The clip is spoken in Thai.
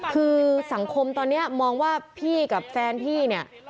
คือสังคมตอนนี้มองว่าพี่กับแฟนพี่เนี่ย